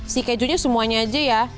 si kejunya semuanya aja ya